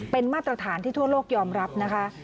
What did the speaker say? เป็นมาตรฐานที่ทั่วโลกยอมรับนะคะ